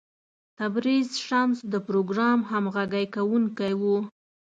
تبریز شمس د پروګرام همغږی کوونکی و.